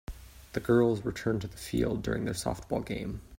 The girls return to the field during their softball game.